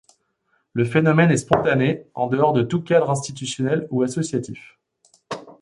Le phénomène est spontané, en dehors de tout cadre institutionnel ou associatif.